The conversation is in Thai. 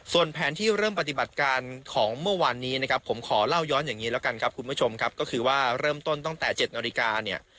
ส่วนแผนที่เริ่มปฏิบัติการของเมื่อวานนี้นะครับผมขอเล่าย้อนอย่างนี้แล้วกันครับคุณผู้ชมครับก็คือว่าเริ่มต้นตั้งแต่๗นาฬิกาเนี่ย